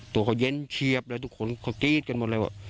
ตัวเขาเย็นเคียบนะครับทุกคนก็กี้ิดบ่นอะไรบ่